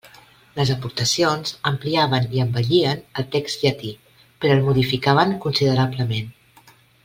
Les aportacions ampliaven i embellien el text llatí, però el modificaven considerablement.